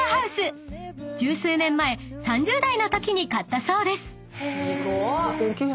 ［十数年前３０代のときに買ったそうです］